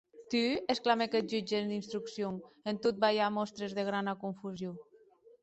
Tu?, exclamèc eth jutge d’instrucción, en tot balhar mòstres de grana confusion.